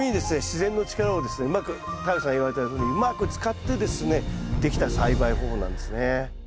自然の力をですねうまく太陽さん言われたようにうまく使ってですねできた栽培方法なんですね。